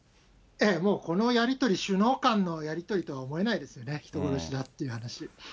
もうこのやり取り、首脳間のやり取りとは思えないですよね、人殺しだっていう話。